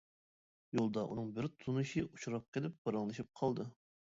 يولدا ئۇنىڭ بىر تونۇشى ئۇچراپ قېلىپ پاراڭلىشىپ قالدى.